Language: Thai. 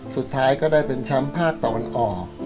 สุดท้ายก็ได้เป็นแชมป์ภาคตะวันออก